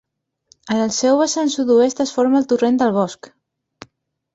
En el seu vessant sud-oest es forma el torrent del Bosc.